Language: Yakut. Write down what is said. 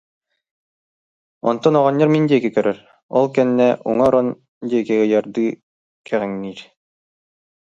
Онтон оҕонньор мин диэки көрөр, ол кэннэ уҥа орон диэки ыйардыы кэҕиҥниир